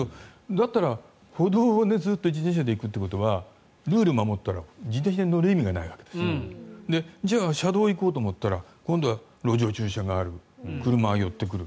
だったら歩道でずっと自転車で行くということはルールを守ったら自転車に乗る意味がないわけですじゃあ、車道に行こうと思ったら今度は路上駐車がある車は寄ってくる。